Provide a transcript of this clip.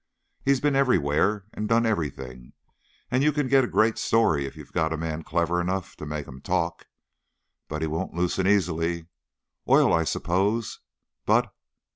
He's been everywhere and done everything, and you can get a great story if you've got a man clever enough to make him talk. But he won't loosen easily.... Oil, I suppose, but